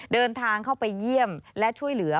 เดินทางเข้าไปเยี่ยมและช่วยเหลือ